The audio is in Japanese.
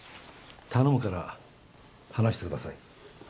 頼むから話してください。